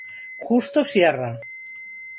Justo Sierra.